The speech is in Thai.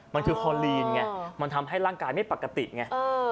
มันคือฮอลีนไงมันทำให้ร่างกายไม่ปกติไง